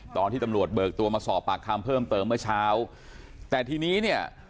ตอนที่ตำรวจเบิกตัวมาสอบปากคำเพิ่มเติมเมื่อเช้าแต่ทีนี้เนี่ย